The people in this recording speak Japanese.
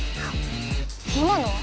今のは？